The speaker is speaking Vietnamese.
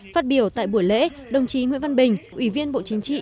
phát biểu tại buổi lễ đồng chí nguyễn văn bình ủy viên bộ chính trị